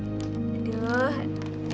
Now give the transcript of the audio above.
sente indi nenek apa kabar